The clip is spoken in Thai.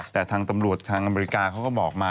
แต่ทางตำรวจทางอเมริกาเขาก็บอกมา